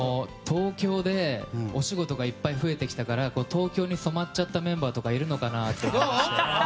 東京でお仕事がいっぱい増えてきたから東京に染まっちゃったメンバーとかいるのかな。